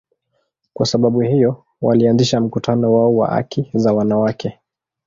Kwa sababu hiyo, walianzisha mkutano wao wa haki za wanawake.